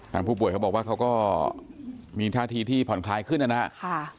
ผู้ป่วยเขาบอกว่าเขาก็มีท่าทีที่ผ่อนคลายขึ้นนะครับ